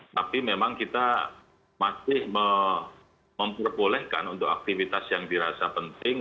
tapi memang kita masih memperbolehkan untuk aktivitas yang dirasa penting